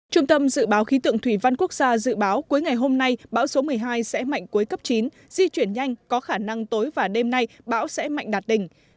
trung tâm dự báo khí tượng thủy văn quốc gia dự báo cuối ngày hôm nay bão số một mươi hai sẽ mạnh cuối cấp chín di chuyển nhanh có khả năng tối và đêm nay bão sẽ mạnh đạt đỉnh